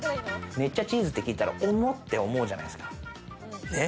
めっちゃチーズって聞いたら、重って思うじゃないですか。